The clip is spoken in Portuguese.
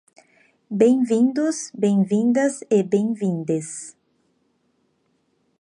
bem-vindos, bem-vindas e bem-vindes